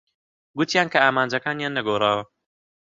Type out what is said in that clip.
گوتیان کە ئامانجەکانیان نەگۆڕاوە.